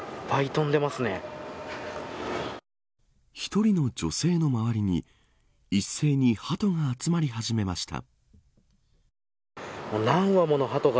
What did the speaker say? １人の女性の周りに一斉にハトが集まり始めました。